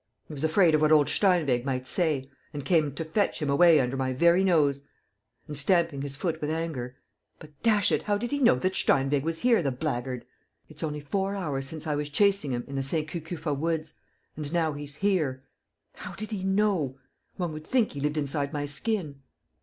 He was afraid of what old Steinweg might say ... and came to fetch him away under my very nose!" And, stamping his foot with anger, "But, dash it, how did he know that Steinweg was here, the blackguard! It's only four hours since I was chasing him in the Saint Cucufa woods ... and now he's here! ... How did he know? ... One would think he lived inside my skin!